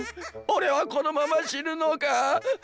俺はこのまま死ぬのか？